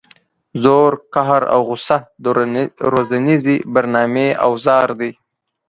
زور قهر او غصه د روزنیزې برنامې اوزار دي.